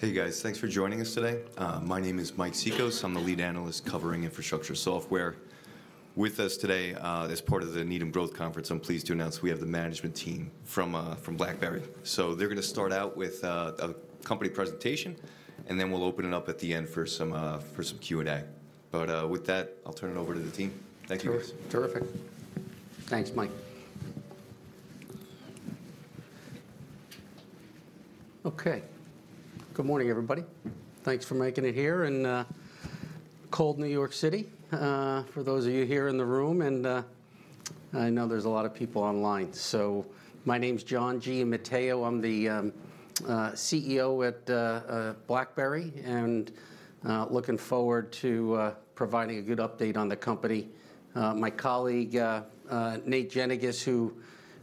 Hey, guys. Thanks for joining us today. My name is Mike Cikos. I'm the lead analyst covering infrastructure software. With us today, as part of the Needham Growth Conference, I'm pleased to announce we have the management team from, from BlackBerry. So they're gonna start out with, a company presentation, and then we'll open it up at the end for some, for some Q&A. But, with that, I'll turn it over to the team. Thank you. Terrific. Thanks, Mike. Okay, good morning, everybody. Thanks for making it here in cold New York City, for those of you here in the room, and I know there's a lot of people online. So, my name's John Giamatteo. I'm the CEO at BlackBerry, and looking forward to providing a good update on the company. My colleague, Nathan Jenniges,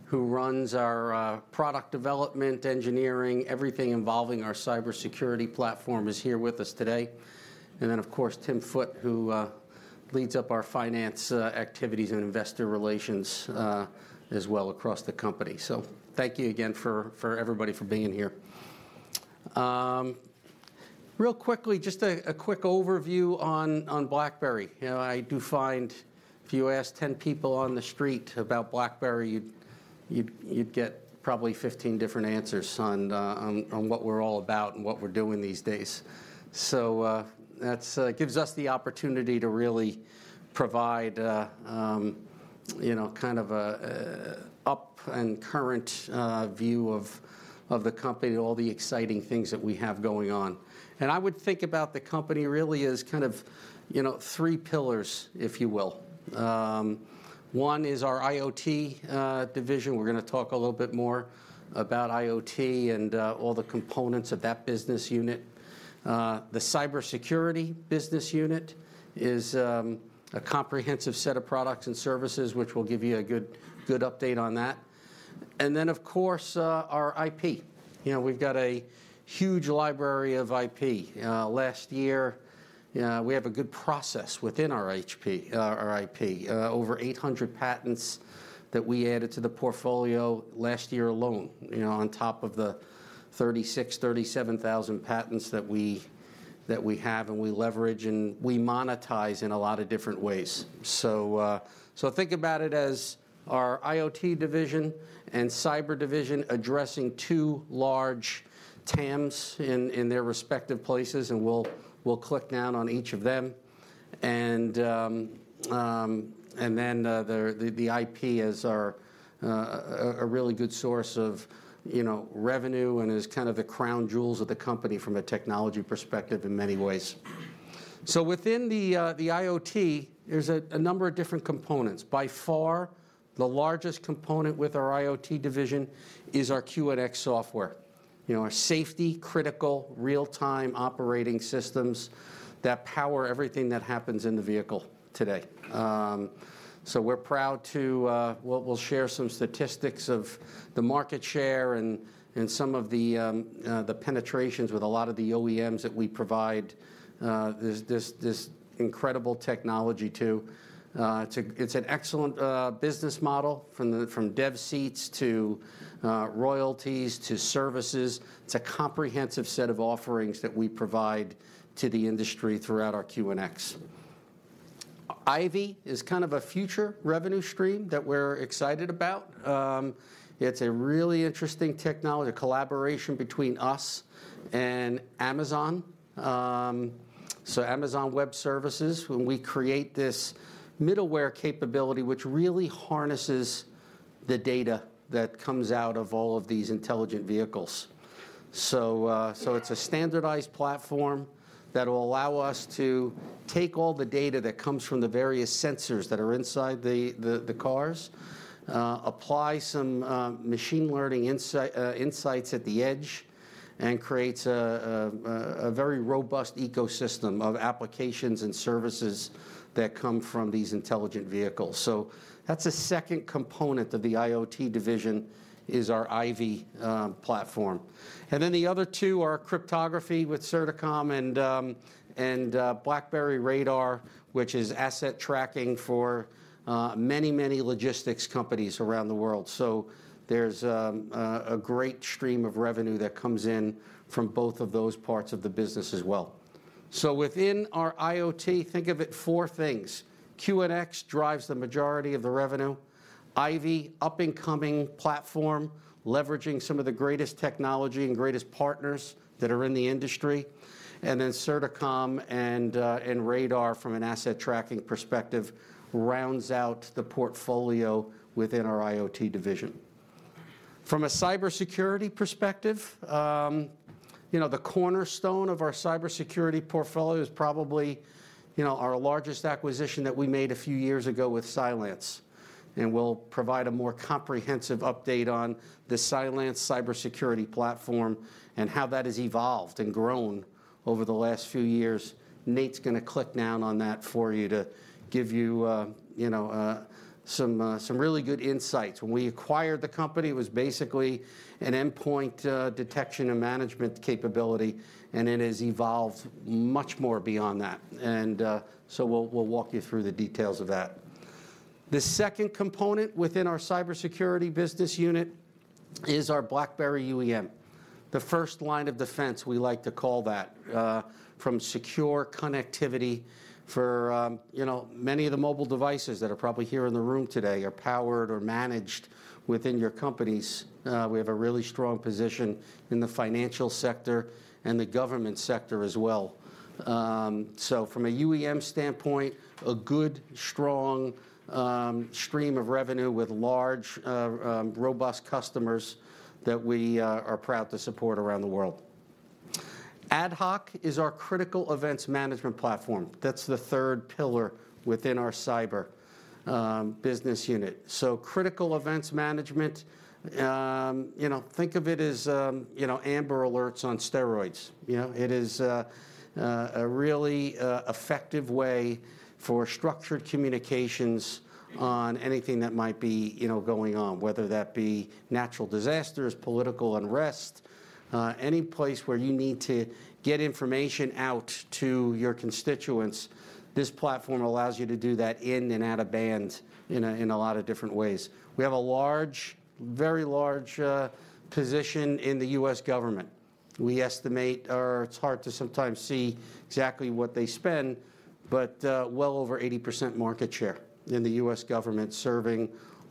who runs our product development, engineering, everything involving our cybersecurity platform, is here with us today. And then, of course, Tim Foote, who leads up our finance activities and investor relations as well across the company. So, thank you again for everybody for being here. Real quickly, just a quick overview on BlackBerry. You know, I do find if you ask 10 people on the street about BlackBerry, you'd get probably 15 different answers on what we're all about and what we're doing these days. So, that's gives us the opportunity to really provide, you know, kind of a up and current view of the company and all the exciting things that we have going on. And I would think about the company really as kind of, you know, three pillars, if you will. One is our IoT division. We're gonna talk a little bit more about IoT and all the components of that business unit. The cybersecurity business unit is a comprehensive set of products and services, which we'll give you a good update on that. And then, of course, our IP. You know, we've got a huge library of IP. Last year, we have a good process within our IP. Over 800 patents that we added to the portfolio last year alone, you know, on top of the 36,000-37,000 patents that we have, and we leverage, and we monetize in a lot of different ways. So, think about it as our IoT division and cyber division addressing two large TAMs in their respective places, and we'll click down on each of them. And then, the IP is our a really good source of, you know, revenue and is kind of the crown jewels of the company from a technology perspective in many ways. So within the IoT, there's a number of different components. By far, the largest component with our IoT division is our QNX software, you know, our safety, critical, real-time operating systems that power everything that happens in the vehicle today. So we're proud to. We'll, we'll share some statistics of the market share and some of the penetrations with a lot of the OEMs that we provide this, this, this incredible technology to. It's a, it's an excellent business model from the, from dev seats, to royalties, to services. It's a comprehensive set of offerings that we provide to the industry throughout our QNX. IVY is kind of a future revenue stream that we're excited about. It's a really interesting technology, a collaboration between us and Amazon. So Amazon Web Services, when we create this middleware capability, which really harnesses the data that comes out of all of these intelligent vehicles. So it's a standardized platform that will allow us to take all the data that comes from the various sensors that are inside the cars, apply some machine learning insights at the edge, and creates a very robust ecosystem of applications and services that come from these intelligent vehicles. So that's the second component of the IoT division, is our IVY platform. And then the other two are cryptography with Certicom and BlackBerry Radar, which is asset tracking for many logistics companies around the world. So there's a great stream of revenue that comes in from both of those parts of the business as well. So within our IoT, think of it four things: QNX drives the majority of the revenue; IVY, up-and-coming platform, leveraging some of the greatest technology and greatest partners that are in the industry; and then Certicom and Radar, from an asset tracking perspective, rounds out the portfolio within our IoT division. From a cybersecurity perspective, you know, the cornerstone of our cybersecurity portfolio is probably, you know, our largest acquisition that we made a few years ago with Cylance, and we'll provide a more comprehensive update on the Cylance cybersecurity platform and how that has evolved and grown over the last few years. Nate's gonna click down on that for you to give you, you know, some really good insights. When we acquired the company, it was basically an endpoint detection and management capability, and it has evolved much more beyond that. We'll walk you through the details of that. The second component within our cybersecurity business unit is our BlackBerry UEM. The first line of defense, we like to call that, from secure connectivity for, you know, many of the mobile devices that are probably here in the room today are powered or managed within your companies. We have a really strong position in the financial sector and the government sector as well. From a UEM standpoint, a good, strong, stream of revenue with large, robust customers that we are proud to support around the world. AtHoc is our critical events management platform. That's the third pillar within our cyber business unit. So critical events management, you know, think of it as, you know, Amber Alerts on steroids. You know, it is a really effective way for structured communications on anything that might be, you know, going on, whether that be natural disasters, political unrest, any place where you need to get information out to your constituents. This platform allows you to do that in and out-of-band, in a lot of different ways. We have a large, very large, position in the U.S. government. We estimate, or it's hard to sometimes see exactly what they spend, but, well over 80% market share in the U.S. government, serving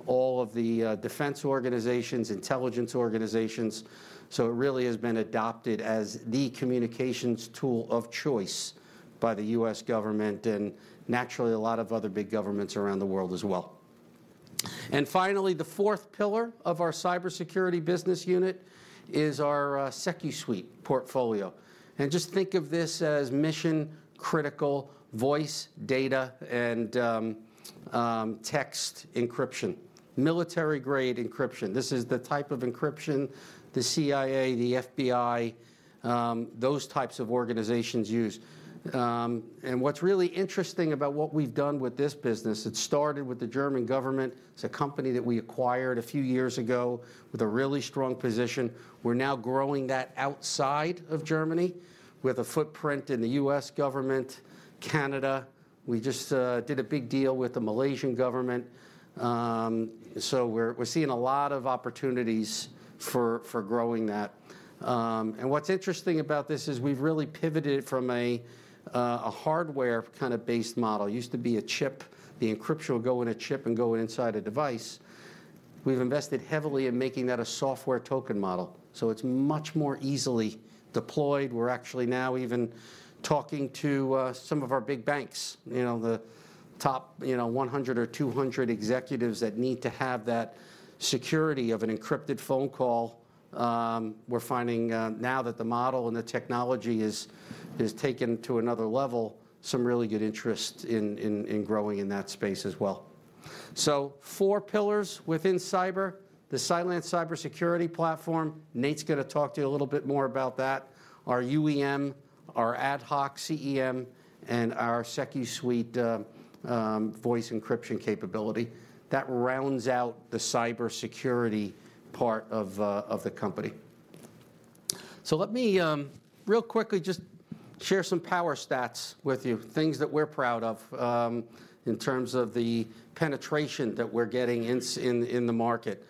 all of the defense organizations, intelligence organizations. So it really has been adopted as the communications tool of choice by the U.S. government and naturally, a lot of other big governments around the world as well. And finally, the fourth pillar of our cybersecurity business unit is our SecuSUITE portfolio. Just think of this as mission-critical voice, data, and text encryption, military-grade encryption. This is the type of encryption the CIA, the FBI, those types of organizations use. And what's really interesting about what we've done with this business, it started with the German government. It's a company that we acquired a few years ago with a really strong position. We're now growing that outside of Germany with a footprint in the U.S. government, Canada. We just did a big deal with the Malaysian government. So we're seeing a lot of opportunities for growing that. And what's interesting about this is we've really pivoted from a hardware kind of based model. It used to be a chip, the encryption would go in a chip and go inside a device. We've invested heavily in making that a software token model, so it's much more easily deployed. We're actually now even talking to some of our big banks, you know, the top, you know, 100 or 200 executives that need to have that security of an encrypted phone call. We're finding now that the model and the technology is taken to another level, some really good interest in growing in that space as well. So four pillars within cyber, the Cylance cybersecurity platform, Nate's gonna talk to you a little bit more about that, our UEM, our AtHoc CEM, and our SecuSUITE voice encryption capability. That rounds out the cybersecurity part of the company. So let me real quickly just share some power stats with you, things that we're proud of, in terms of the penetration that we're getting in the market.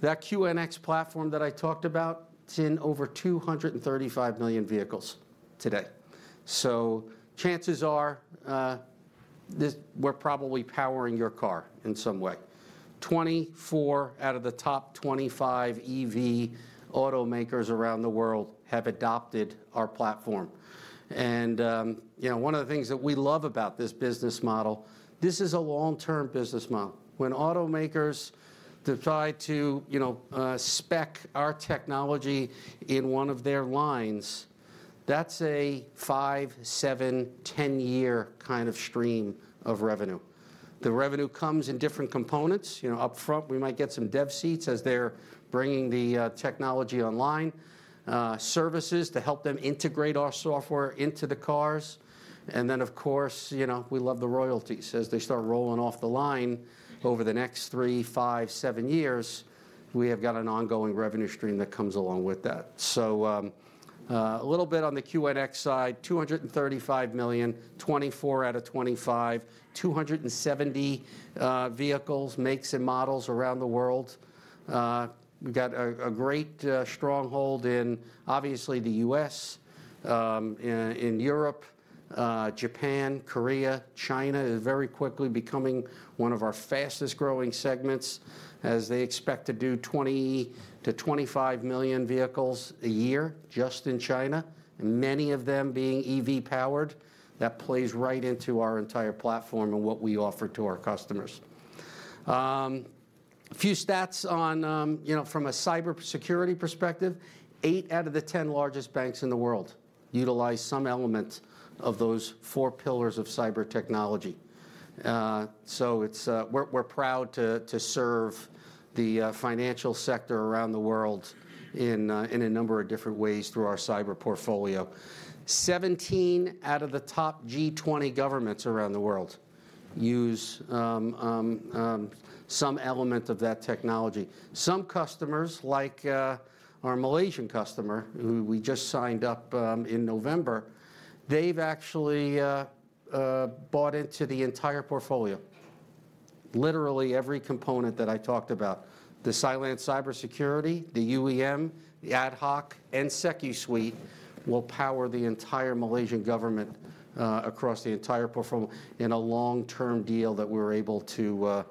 That QNX platform that I talked about, it's in over 235 million vehicles today. So chances are, we're probably powering your car in some way. 24 out of the top 25 EV automakers around the world have adopted our platform. And, you know, one of the things that we love about this business model, this is a long-term business model. When automakers decide to, you know, spec our technology in one of their lines, that's a five, seven, 10-year kind of stream of revenue. The revenue comes in different components. You know, up front, we might get some dev seats as they're bringing the technology online, services to help them integrate our software into the cars, and then, of course, you know, we love the royalties. As they start rolling off the line over the next three, five, seven years, we have got an ongoing revenue stream that comes along with that. So, a little bit on the QNX side, $235 million, 24 out of 25, 270 vehicles, makes and models around the world. We've got a great stronghold in, obviously, the U.S., in Europe, Japan, Korea. China is very quickly becoming one of our fastest-growing segments, as they expect to do 20-25 million vehicles a year just in China, and many of them being EV-powered. That plays right into our entire platform and what we offer to our customers. A few stats on, you know, from a cybersecurity perspective, eight out of the 10 largest banks in the world utilize some element of those four pillars of cyber technology. So it's, we're proud to serve the financial sector around the world in a number of different ways through our cyber portfolio. 17 out of the top G20 governments around the world use some element of that technology. Some customers, like our Malaysian customer, who we just signed up in November, they've actually bought into the entire portfolio. literally every component that I talked about, the Cylance cybersecurity, the UEM, the AtHoc, and SecuSUITE will power the entire Malaysian government, across the entire portfolio in a long-term deal that we were able to,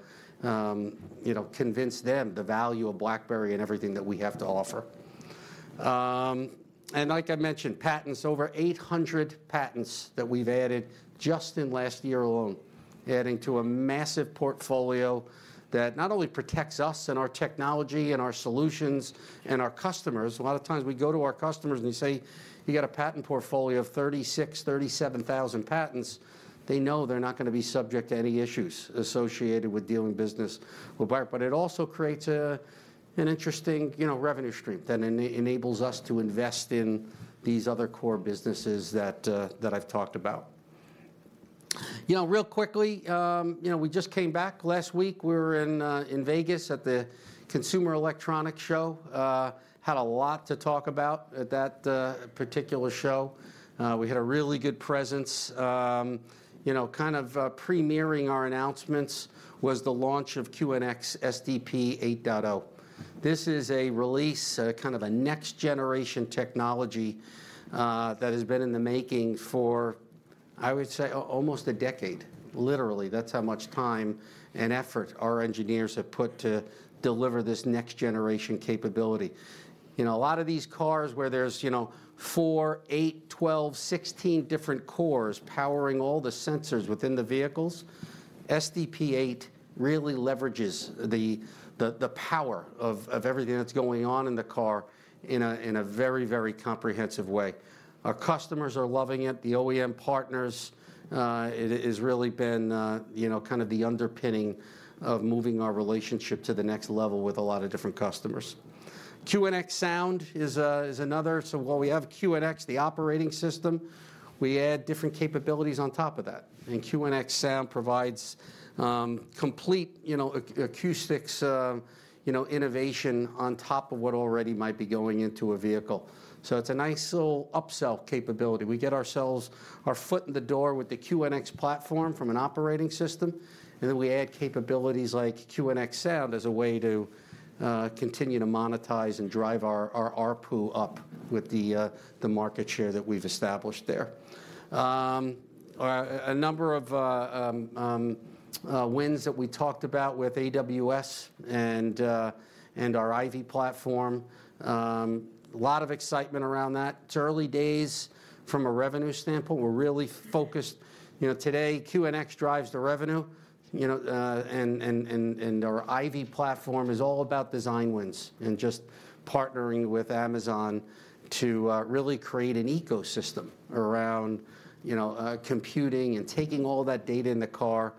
you know, convince them the value of BlackBerry and everything that we have to offer. And like I mentioned, patents, over 800 patents that we've added just in last year alone, adding to a massive portfolio that not only protects us and our technology and our solutions and our customers, a lot of times we go to our customers and they say, "You got a patent portfolio of 36,000-37,000 patents," they know they're not gonna be subject to any issues associated with doing business with BlackBerry. But it also creates an interesting, you know, revenue stream that enables us to invest in these other core businesses that I've talked about. You know, real quickly, you know, we just came back last week. We were in Vegas at the Consumer Electronics Show. Had a lot to talk about at that particular show. We had a really good presence. You know, kind of premiering our announcements was the launch of QNX SDP 8.0. This is a release, kind of a next generation technology, that has been in the making for, I would say, almost a decade, literally. That's how much time and effort our engineers have put to deliver this next generation capability. You know, a lot of these cars where there's, you know, 4, 8, 12, 16 different cores powering all the sensors within the vehicles, SDP 8.0 really leverages the power of everything that's going on in the car in a very very comprehensive way. Our customers are loving it, the OEM partners. It has really been, you know, kind of the underpinning of moving our relationship to the next level with a lot of different customers. QNX Sound is another. So while we have QNX, the operating system, we add different capabilities on top of that. And QNX Sound provides complete, you know, acoustics innovation on top of what already might be going into a vehicle. So it's a nice little upsell capability. We get ourselves, our foot in the door with the QNX platform from an operating system, and then we add capabilities like QNX Sound as a way to continue to monetize and drive our ARPU up with the market share that we've established there. A number of wins that we talked about with AWS and our IVY platform. A lot of excitement around that. It's early days from a revenue standpoint. We're really focused... You know, today, QNX drives the revenue, you know, and our IVY platform is all about design wins, and just partnering with Amazon to really create an ecosystem around, you know, computing and taking all that data in the car,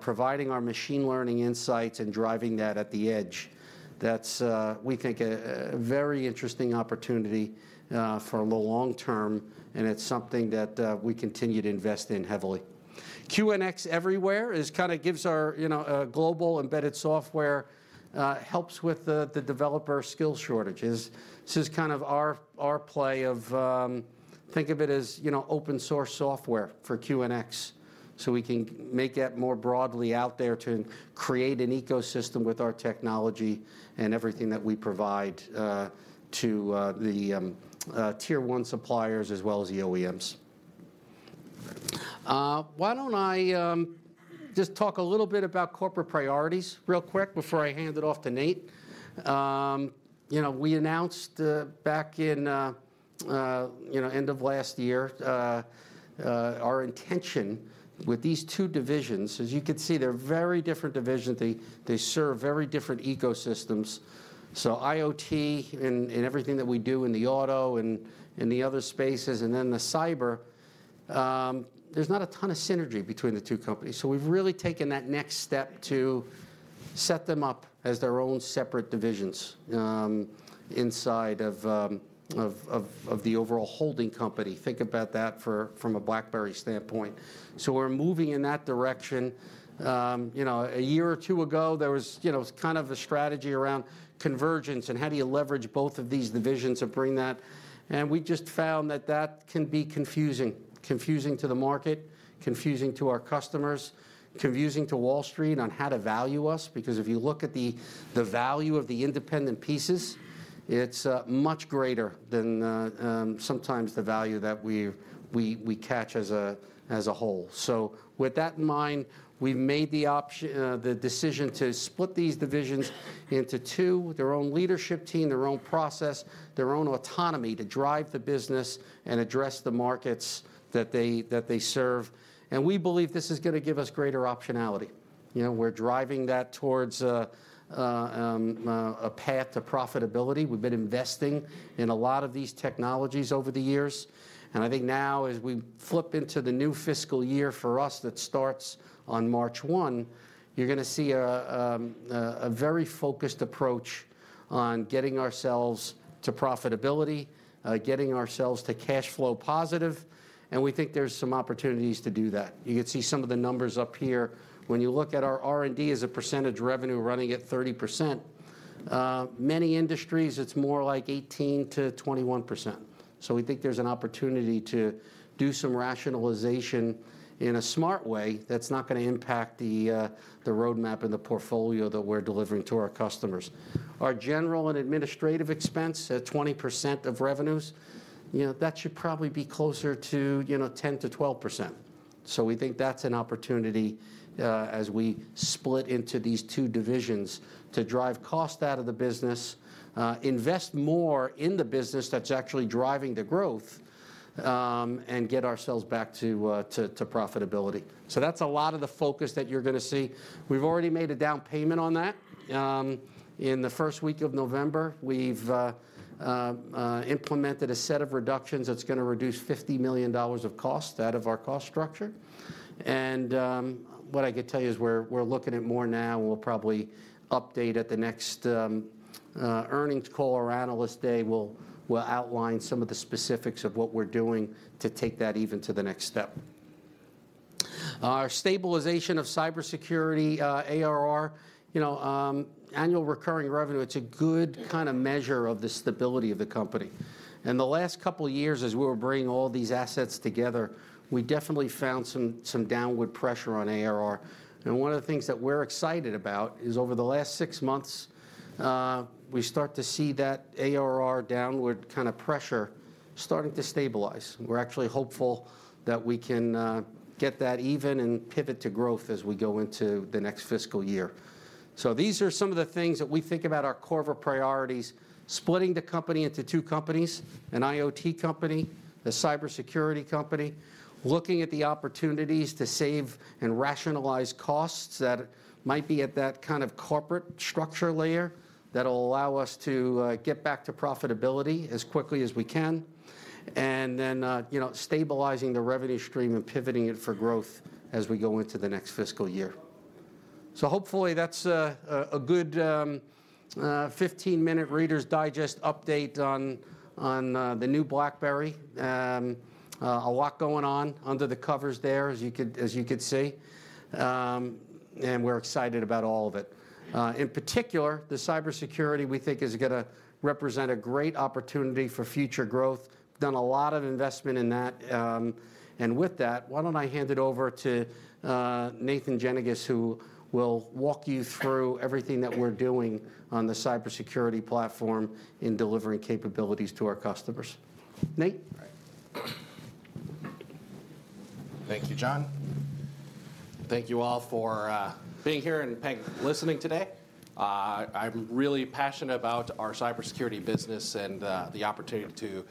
providing our machine learning insights, and driving that at the edge. That's, we think, a very interesting opportunity, for the long term, and it's something that, we continue to invest in heavily. QNX Everywhere is kinda gives our, you know, global embedded software, helps with the developer skill shortages. This is kind of our play of... Think of it as, you know, open source software for QNX, so we can make that more broadly out there to create an ecosystem with our technology and everything that we provide, to the Tier 1 suppliers as well as the OEMs. Why don't I just talk a little bit about corporate priorities real quick before I hand it off to Nate? You know, we announced, back in, you know, end of last year, our intention with these two divisions. As you can see, they're very different divisions. They, they serve very different ecosystems. So IoT and everything that we do in the auto and the other spaces, and then the cyber, there's not a ton of synergy between the two companies. So we've really taken that next step to set them up as their own separate divisions, inside of the overall holding company. Think about that from a BlackBerry standpoint. So we're moving in that direction. You know, a year or two ago, there was, you know, kind of a strategy around convergence, and how do you leverage both of these divisions and bring that... And we just found that that can be confusing, confusing to the market, confusing to our customers, confusing to Wall Street on how to value us. Because if you look at the value of the independent pieces, it's much greater than sometimes the value that we catch as a whole. So with that in mind, we've made the decision to split these divisions into two, with their own leadership team, their own process, their own autonomy to drive the business and address the markets that they serve. And we believe this is gonna give us greater optionality. You know, we're driving that towards a path to profitability. We've been investing in a lot of these technologies over the years, and I think now, as we flip into the new fiscal year for us, that starts on March 1, you're gonna see a very focused approach on getting ourselves to profitability, getting ourselves to cash flow positive, and we think there's some opportunities to do that. You can see some of the numbers up here. When you look at our R&D as a percentage revenue running at 30%-... many industries, it's more like 18%-21%. So we think there's an opportunity to do some rationalization in a smart way that's not gonna impact the roadmap and the portfolio that we're delivering to our customers. Our general and administrative expense at 20% of revenues, you know, that should probably be closer to, you know, 10%-12%. So we think that's an opportunity, as we split into these two divisions, to drive cost out of the business, invest more in the business that's actually driving the growth, and get ourselves back to profitability. So that's a lot of the focus that you're gonna see. We've already made a down payment on that. In the first week of November, we've implemented a set of reductions that's gonna reduce $50 million of cost out of our cost structure. And, what I could tell you is we're looking at more now, and we'll probably update at the next earnings call or Analyst Day, we'll outline some of the specifics of what we're doing to take that even to the next step. Our stabilization of cybersecurity, ARR, you know, annual recurring revenue, it's a good kind of measure of the stability of the company. In the last couple of years as we were bringing all these assets together, we definitely found some, some downward pressure on ARR. And one of the things that we're excited about is over the last six months, we start to see that ARR downward kind of pressure starting to stabilize. We're actually hopeful that we can, get that even and pivot to growth as we go into the next fiscal year. So these are some of the things that we think about our core priorities, splitting the company into two companies, an IoT company, a cybersecurity company. Looking at the opportunities to save and rationalize costs that might be at that kind of corporate structure layer, that will allow us to get back to profitability as quickly as we can. Then, you know, stabilizing the revenue stream and pivoting it for growth as we go into the next fiscal year. Hopefully, that's a good 15-minute Reader's Digest update on the new BlackBerry. A lot going on under the covers there, as you could see, and we're excited about all of it. In particular, the cybersecurity, we think is gonna represent a great opportunity for future growth. Done a lot of investment in that, and with that, why don't I hand it over to Nathan Jenniges, who will walk you through everything that we're doing on the cybersecurity platform in delivering capabilities to our customers. Nate? Thank you, John. Thank you all for being here and thank you for listening today. I'm really passionate about our Cybersecurity business and the opportunity to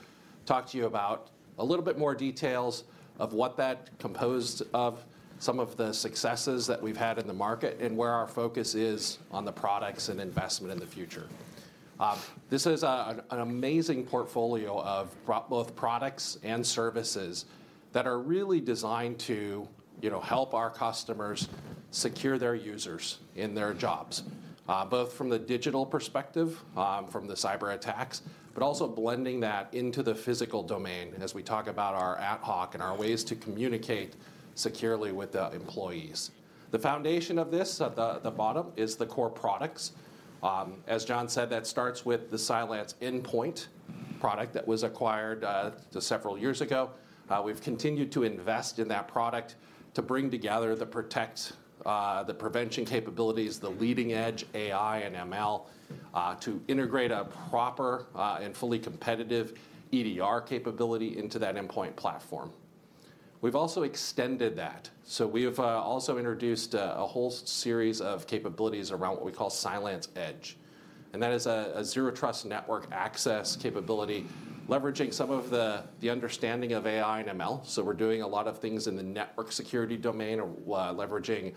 talk to you about a little bit more details of what that composed of, some of the successes that we've had in the market, and where our focus is on the products and investment in the future. This is an amazing portfolio of both products and services that are really designed to, you know, help our customers secure their users in their jobs, both from the digital perspective, from the cyberattacks, but also blending that into the physical domain, and as we talk about our AtHoc and our ways to communicate securely with the employees. The foundation of this, at the bottom, is the core products. As John said, that starts with the CylanceENDPOINT product that was acquired several years ago. We've continued to invest in that product to bring together the protect the prevention capabilities, the leading edge AI and ML to integrate a proper and fully competitive EDR capability into that endpoint platform. We've also extended that, so we have also introduced a whole series of capabilities around what we call CylanceEDGE, and that is a zero trust network access capability, leveraging some of the understanding of AI and ML. So we're doing a lot of things in the network security domain or leveraging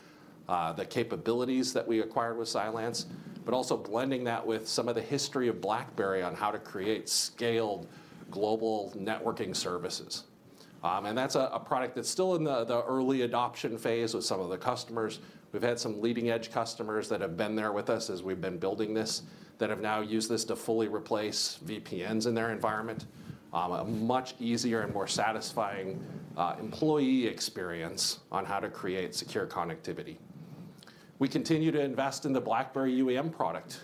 the capabilities that we acquired with Cylance, but also blending that with some of the history of BlackBerry on how to create scaled global networking services. And that's a product that's still in the early adoption phase with some of the customers. We've had some leading-edge customers that have been there with us as we've been building this, that have now used this to fully replace VPNs in their environment. A much easier and more satisfying employee experience on how to create secure connectivity. We continue to invest in the BlackBerry UEM product,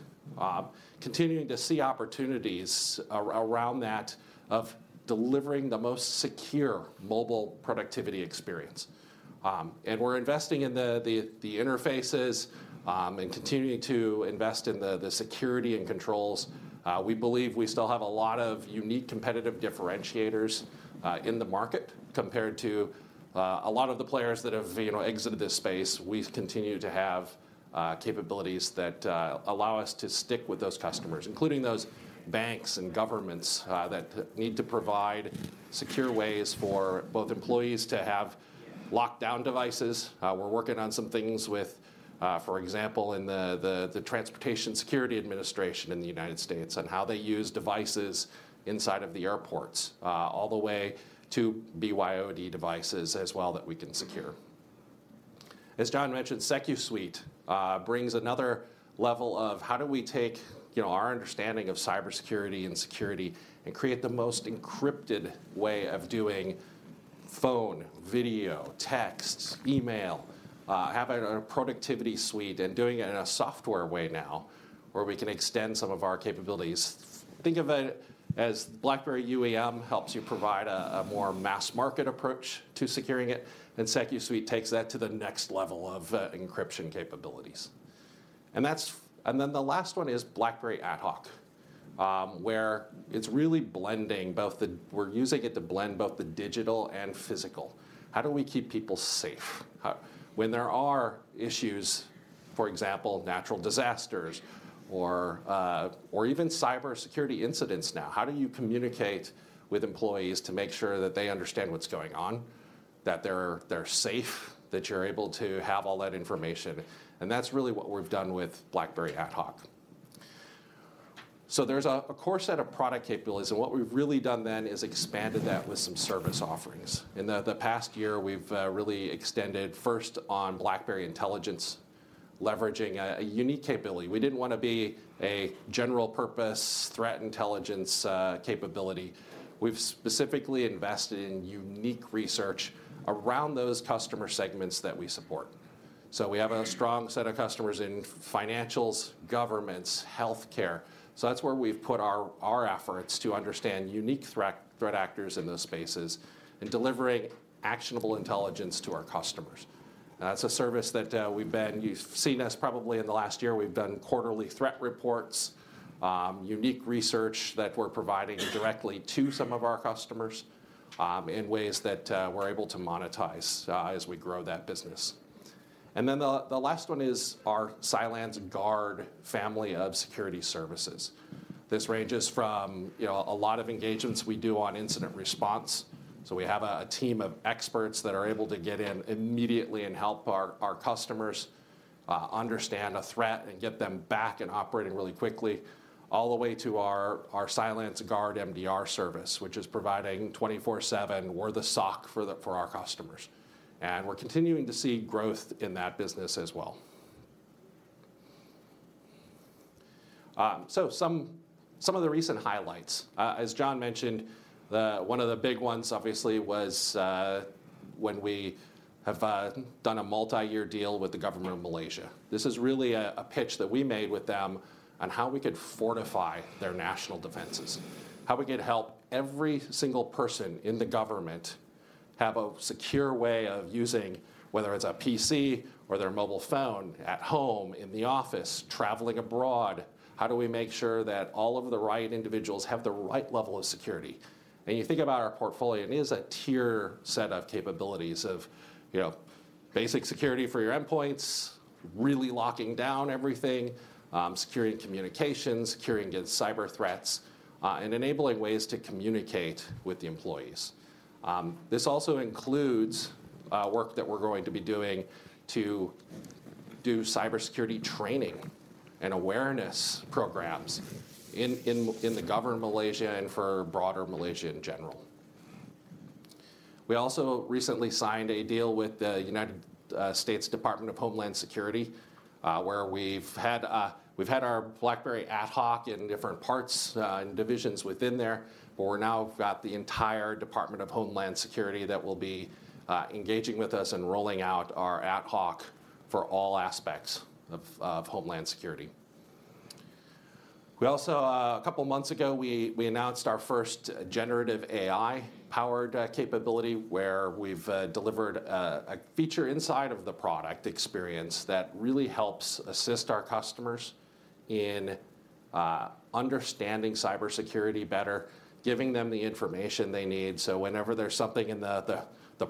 continuing to see opportunities around that, of delivering the most secure mobile productivity experience. And we're investing in the interfaces, and continuing to invest in the security and controls. We believe we still have a lot of unique competitive differentiators in the market compared to a lot of the players that have, you know, exited this space. We've continued to have capabilities that allow us to stick with those customers, including those banks and governments, that need to provide secure ways for both employees to have locked down devices. We're working on some things with, for example, in the Transportation Security Administration in the United States, on how they use devices inside of the airports, all the way to BYOD devices as well, that we can secure. As John mentioned, SecuSUITE brings another level of: How do we take, you know, our understanding of cybersecurity and security, and create the most encrypted way of doing phone, video, texts, email, having a productivity suite and doing it in a software way now, where we can extend some of our capabilities. Think of it as BlackBerry UEM helps you provide a more mass market approach to securing it, and SecuSUITE takes that to the next level of encryption capabilities. And that's. And then the last one is BlackBerry AtHoc, where it's really blending both the digital and physical. How do we keep people safe? When there are issues, for example, natural disasters or even cybersecurity incidents now, how do you communicate with employees to make sure that they understand what's going on, that they're safe, that you're able to have all that information? And that's really what we've done with BlackBerry AtHoc. So there's a core set of product capabilities, and what we've really done then is expanded that with some service offerings. In the past year, we've really extended first on BlackBerry Intelligence, leveraging a unique capability. We didn't wanna be a general purpose threat intelligence capability. We've specifically invested in unique research around those customer segments that we support. So we have a strong set of customers in financials, governments, healthcare, so that's where we've put our efforts to understand unique threat actors in those spaces and delivering actionable intelligence to our customers. And that's a service that we've been... You've seen us probably in the last year, we've done quarterly threat reports, unique research that we're providing directly to some of our customers, in ways that we're able to monetize, as we grow that business. And then the last one is our CylanceGUARD family of security services. This ranges from, you know, a lot of engagements we do on incident response. So we have a team of experts that are able to get in immediately and help our customers understand a threat and get them back and operating really quickly, all the way to our CylanceGUARD MDR service, which is providing 24/7, we're the SOC for our customers, and we're continuing to see growth in that business as well. So some of the recent highlights. As John mentioned, one of the big ones obviously was when we have done a multi-year deal with the government of Malaysia. This is really a pitch that we made with them on how we could fortify their national defenses, how we could help every single person in the government have a secure way of using, whether it's a PC or their mobile phone, at home, in the office, traveling abroad. How do we make sure that all of the right individuals have the right level of security? And you think about our portfolio, it is a tier set of capabilities of, you know, basic security for your endpoints, really locking down everything, securing communications, securing against cyber threats, and enabling ways to communicate with the employees. This also includes work that we're going to be doing to do cybersecurity training and awareness programs in the government of Malaysia and for broader Malaysia in general. We also recently signed a deal with the United States Department of Homeland Security, where we've had our BlackBerry AtHoc in different parts and divisions within there, but we're now got the entire Department of Homeland Security that will be engaging with us and rolling out our AtHoc for all aspects of Homeland Security. We also, a couple of months ago, we announced our first generative AI-powered capability, where we've delivered a feature inside of the product experience that really helps assist our customers in understanding cybersecurity better, giving them the information they need. So whenever there's something in the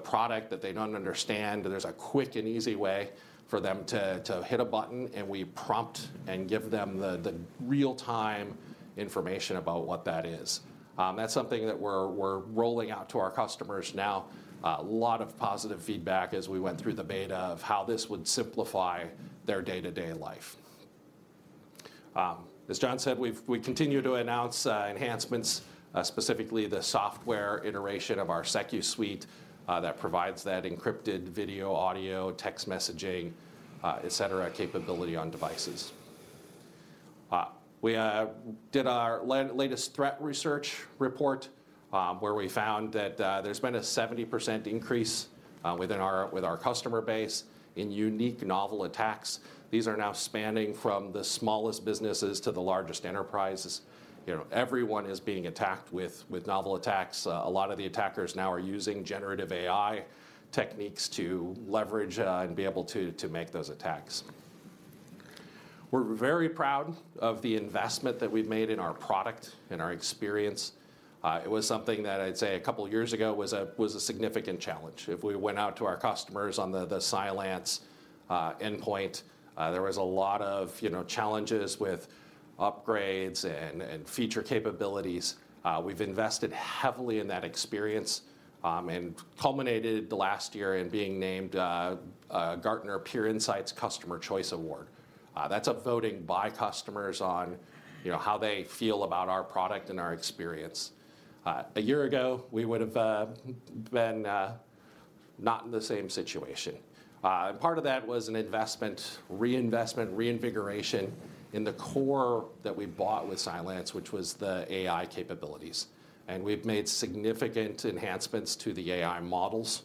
product that they don't understand, there's a quick and easy way for them to hit a button, and we prompt and give them the real-time information about what that is. That's something that we're rolling out to our customers now. A lot of positive feedback as we went through the beta of how this would simplify their day-to-day life. As John said, we continue to announce enhancements, specifically the software iteration of our SecuSUITE, that provides that encrypted video, audio, text messaging, et cetera, capability on devices. We did our latest threat research report, where we found that there's been a 70% increase with our customer base in unique, novel attacks. These are now spanning from the smallest businesses to the largest enterprises. You know, everyone is being attacked with novel attacks. A lot of the attackers now are using generative AI techniques to leverage and be able to make those attacks. We're very proud of the investment that we've made in our product and our experience. It was something that I'd say a couple of years ago was a significant challenge. If we went out to our customers on the CylanceENDPOINT, there was a lot of, you know, challenges with upgrades and feature capabilities. We've invested heavily in that experience and culminated last year in being named a Gartner Peer Insights Customers' Choice Award. That's a voting by customers on, you know, how they feel about our product and our experience. A year ago, we would've been not in the same situation. And part of that was an investment, reinvestment, reinvigoration in the core that we bought with Cylance, which was the AI capabilities, and we've made significant enhancements to the AI models,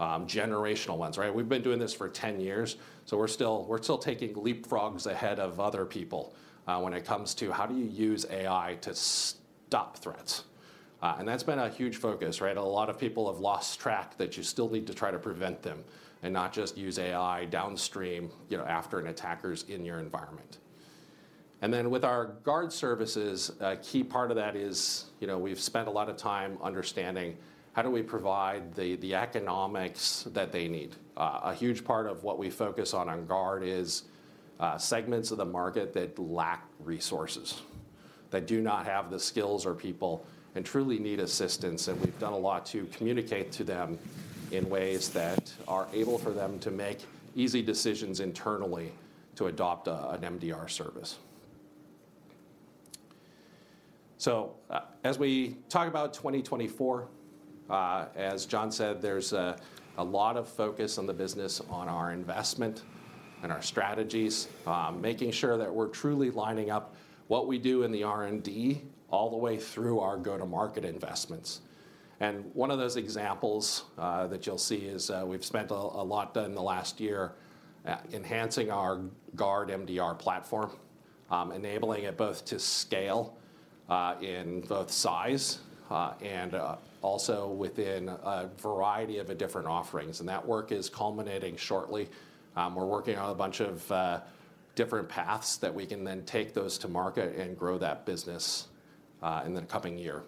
generational ones, right? We've been doing this for 10 years, so we're still, we're still taking leapfrogs ahead of other people, when it comes to how do you use AI to stop threats? And that's been a huge focus, right? A lot of people have lost track that you still need to try to prevent them and not just use AI downstream, you know, after an attacker's in your environment. And then with our guard services, a key part of that is, you know, we've spent a lot of time understanding how do we provide the economics that they need? A huge part of what we focus on, on guard is segments of the market that lack resources, that do not have the skills or people, and truly need assistance, and we've done a lot to communicate to them in ways that are able for them to make easy decisions internally to adopt an MDR service. So, as we talk about 2024, as John said, there's a lot of focus on the business, on our investment and our strategies, making sure that we're truly lining up what we do in the R&D, all the way through our go-to-market investments. And one of those examples that you'll see is we've spent a lot in the last year enhancing our Guard MDR platform, enabling it both to scale in both size and also within a variety of the different offerings, and that work is culminating shortly. We're working on a bunch of different paths that we can then take those to market and grow that business in the coming year.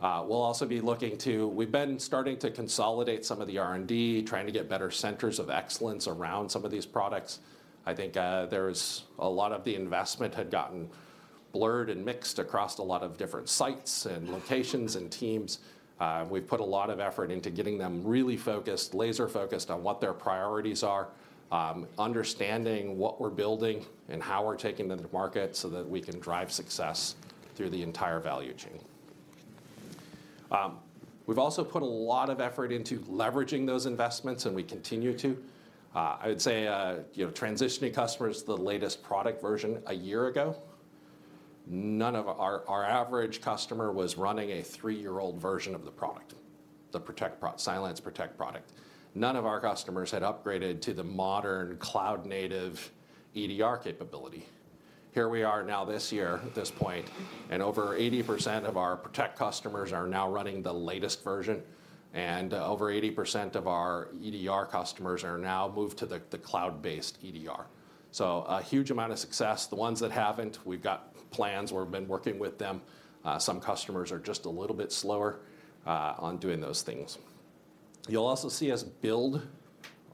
We'll also be looking to. We've been starting to consolidate some of the R&D, trying to get better centers of excellence around some of these products. I think there's a lot of the investment had gotten blurred and mixed across a lot of different sites and locations and teams. We've put a lot of effort into getting them really focused, laser focused, on what their priorities are, understanding what we're building and how we're taking them to market so that we can drive success through the entire value chain. We've also put a lot of effort into leveraging those investments, and we continue to. I would say, you know, transitioning customers to the latest product version a year ago, our average customer was running a three-year-old version of the product, the CylancePROTECT product. None of our customers had upgraded to the modern cloud-native EDR capability. Here we are now this year, at this point, and over 80% of our Protect customers are now running the latest version, and over 80% of our EDR customers are now moved to the cloud-based EDR. A huge amount of success. The ones that haven't, we've got plans. We've been working with them. Some customers are just a little bit slower on doing those things. You'll also see us build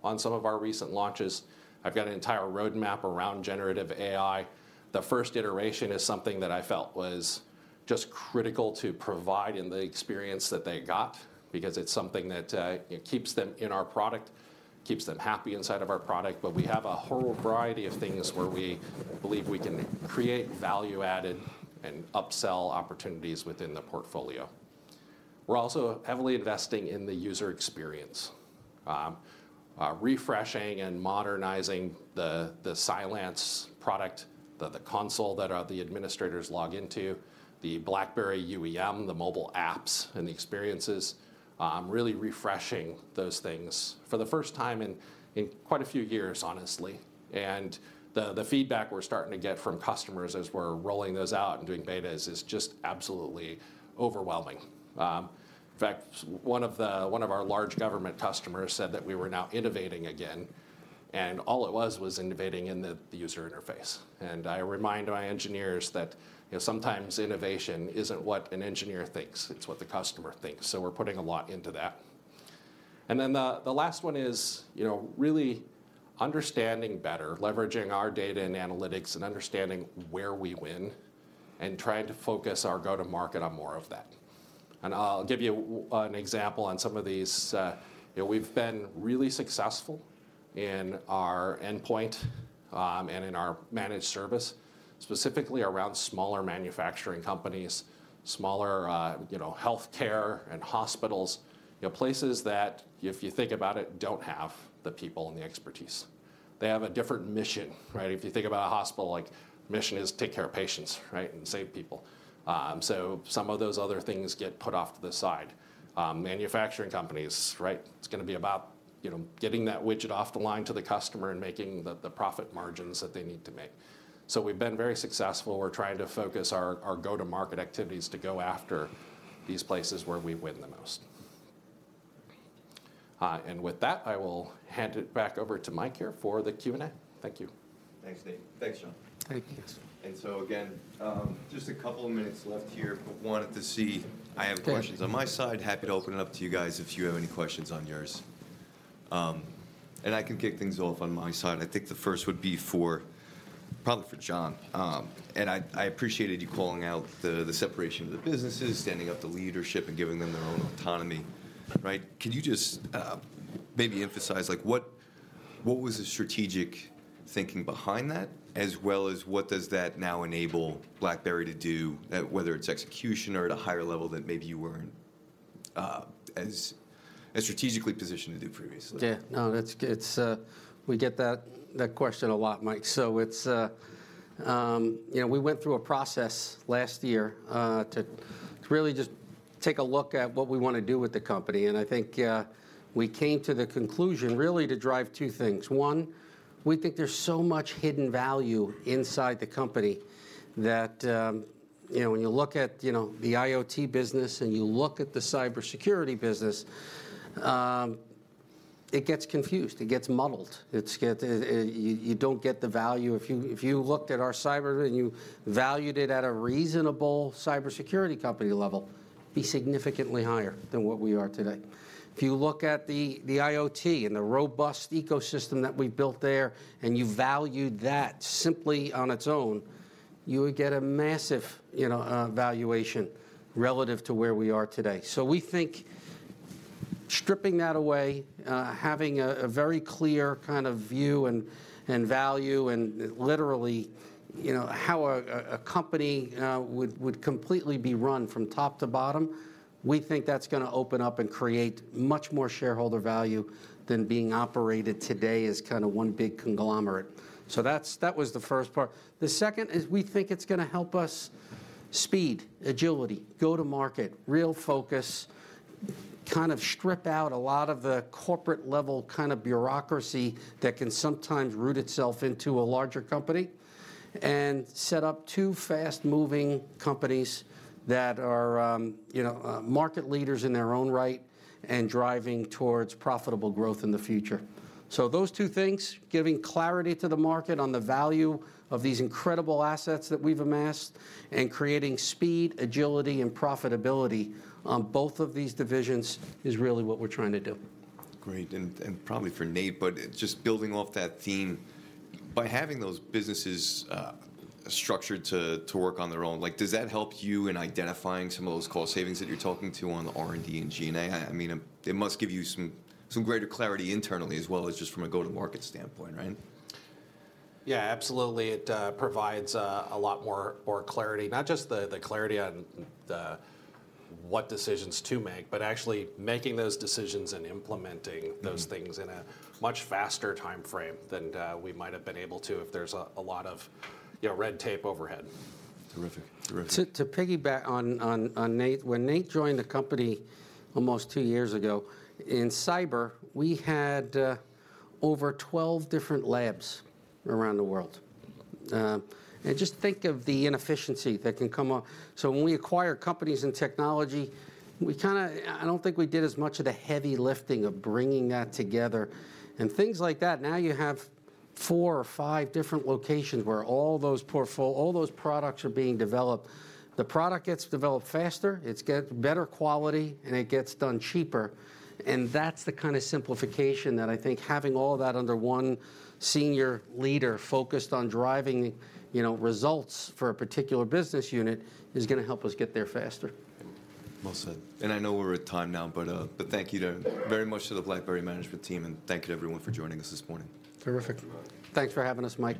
on some of our recent launches. I've got an entire roadmap around generative AI. The first iteration is something that I felt was just critical to provide in the experience that they got because it's something that, it keeps them in our product, keeps them happy inside of our product. But we have a whole variety of things where we believe we can create value added and upsell opportunities within the portfolio. We're also heavily investing in the user experience, refreshing and modernizing the Cylance product, the console that the administrators log into, the BlackBerry UEM, the mobile apps, and the experiences, really refreshing those things for the first time in quite a few years, honestly. The feedback we're starting to get from customers as we're rolling those out and doing betas is just absolutely overwhelming. In fact, one of our large government customers said that we were now innovating again, and all it was, was innovating in the user interface. I remind my engineers that, you know, sometimes innovation isn't what an engineer thinks, it's what the customer thinks, so we're putting a lot into that. Then the last one is, you know, really understanding better, leveraging our data and analytics, and understanding where we win, and trying to focus our go-to-market on more of that. I'll give you an example on some of these. You know, we've been really successful in our endpoint and in our managed service, specifically around smaller manufacturing companies, smaller, you know, healthcare and hospitals, you know, places that, if you think about it, don't have the people and the expertise. They have a different mission, right? If you think about a hospital, like, mission is take care of patients, right? And save people. So some of those other things get put off to the side. Manufacturing companies, right, it's gonna be about, you know, getting that widget off the line to the customer and making the profit margins that they need to make. So we've been very successful. We're trying to focus our go-to-market activities to go after these places where we win the most. And with that, I will hand it back over to Mike here for the Q&A. Thank you. Thanks, Nate. Thanks, John. Thank you. And so again, just a couple of minutes left here, but wanted to see... I have questions on my side. Happy to open it up to you guys if you have any questions on yours. And I can kick things off on my side. I think the first would be for, probably for John. And I appreciated you calling out the separation of the businesses, standing up the leadership, and giving them their own autonomy, right? Could you just maybe emphasize, like, what... What was the strategic thinking behind that? As well as what does that now enable BlackBerry to do, whether it's execution or at a higher level that maybe you weren't as strategically positioned to do previously? Yeah. No, that's it. We get that question a lot, Mike. So it's, you know, we went through a process last year to really just take a look at what we wanna do with the company, and I think, yeah, we came to the conclusion really to drive two things. One, we think there's so much hidden value inside the company, that, you know, when you look at, you know, the IoT business and you look at the cybersecurity business, it gets confused, it gets muddled. You don't get the value. If you looked at our cyber and you valued it at a reasonable cybersecurity company level, be significantly higher than what we are today. If you look at the IoT and the robust ecosystem that we've built there, and you valued that simply on its own, you would get a massive, you know, valuation relative to where we are today. So we think stripping that away, having a very clear kind of view and value, and literally, you know, how a company would completely be run from top to bottom, we think that's gonna open up and create much more shareholder value than being operated today as kinda one big conglomerate. So that's, that was the first part. The second is we think it's gonna help us speed, agility, go-to-market, real focus, kind of strip out a lot of the corporate level kind of bureaucracy that can sometimes root itself into a larger company, and set up two fast-moving companies that are, you know, market leaders in their own right and driving towards profitable growth in the future. So those two things, giving clarity to the market on the value of these incredible assets that we've amassed, and creating speed, agility, and profitability on both of these divisions, is really what we're trying to do. Great. And probably for Nate, but just building off that theme, by having those businesses structured to work on their own, like, does that help you in identifying some of those cost savings that you're talking to on the R&D and G&A? I mean, it must give you some greater clarity internally as well as just from a go-to-market standpoint, right? Yeah, absolutely. It provides a lot more clarity. Not just the clarity on what decisions to make, but actually making those decisions and implementing- Mm... those things in a much faster timeframe than we might have been able to if there's a lot of, you know, red tape overhead. Terrific. Terrific. To piggyback on Nate, when Nate joined the company almost two years ago, in cyber, we had over 12 different labs around the world. And just think of the inefficiency that can come up. So when we acquire companies in technology, we kinda, I don't think we did as much of the heavy lifting of bringing that together. And things like that, now you have four or five different locations where all those products are being developed. The product gets developed faster, it's get better quality, and it gets done cheaper, and that's the kind of simplification that I think having all that under one senior leader focused on driving, you know, results for a particular business unit, is gonna help us get there faster. Well said. I know we're at time now, but, but thank you very much to the BlackBerry management team, and thank you everyone for joining us this morning. Terrific. Bye-bye. Thanks for having us, Mike.